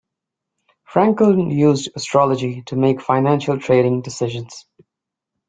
Frankel used astrology to make financial trading decisions.